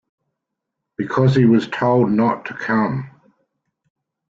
Because he was told not to come.